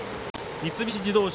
三菱自動車